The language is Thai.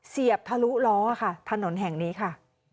เสียบทะลุล้อค่ะถนนแห่งนี้ค่ะ